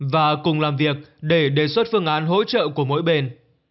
và cùng làm việc để đề xuất phương án hỗ trợ của mỗi bên